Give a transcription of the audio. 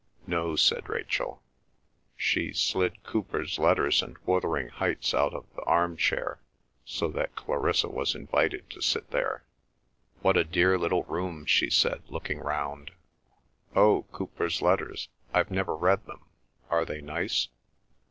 "No," said Rachel. She slid Cowper's Letters and Wuthering Heights out of the arm chair, so that Clarissa was invited to sit there. "What a dear little room!" she said, looking round. "Oh, Cowper's Letters! I've never read them. Are they nice?"